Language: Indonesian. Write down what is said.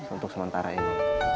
untuk sementara ini